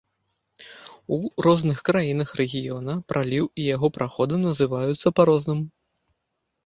У розных краінах рэгіёна, праліў і яго праходы называюцца па розным.